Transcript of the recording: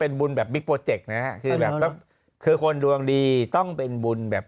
เป็นบุญแบบบิ๊กโปรเจกต์นะฮะคือแบบก็คือคนดวงดีต้องเป็นบุญแบบ